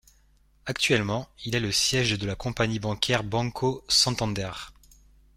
Actuellement, il est le siège de la compagnie bancaire Banco Santander.